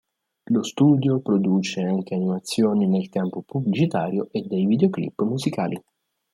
Lo studio produce anche animazioni nel campo pubblicitario e dei videoclip musicali.